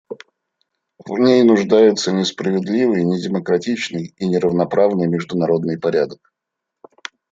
В ней нуждается несправедливый, недемократичный и неравноправный международный порядок.